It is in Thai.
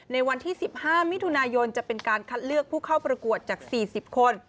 ในวันที่๑๕มิถุนายนจะเป็นการคัดเลือกผู้เข้าประกวดจาก๔๐คน